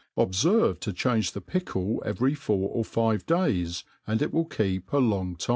Obferve to change the pickle 4^vtry four or fivedays^ and it will keep a lon^ timc^ s ^